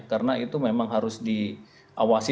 karena itu memang harus diawasi